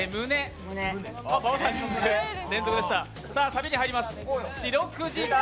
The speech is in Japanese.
サビに入ります。